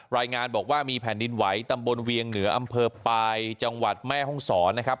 รายงานบอกว่ามีแผ่นดินไหวตำบลเวียงเหนืออำเภอปลายจังหวัดแม่ห้องศรนะครับ